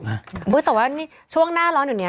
แต่ว่าช่วงหน้าร้อนอยู่เนี่ย